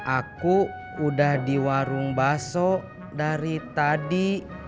aku udah di warung baso dari tadi